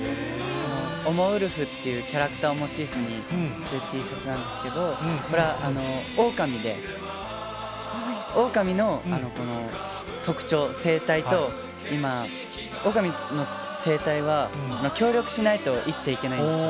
おもウルフっていうキャラクターをモチーフにしているＴシャツなんですけれども、これはオオカミで、オオカミの特徴、生態と、オオカミの生態は協力しないと生きていけないんですよ。